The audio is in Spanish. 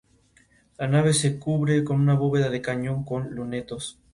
Colaboró con la prensa en la ""Revista Chilena"", ""El Día"" y ""El Heraldo"".